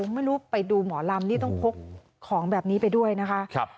ไม่รู้ไปดูหมอลำนี่ต้องพกของแบบนี้ไปด้วยนะคะ